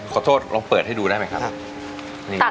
ลองเปิดให้ดูได้ไหมครับ